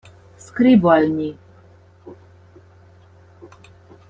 Skribu al ni.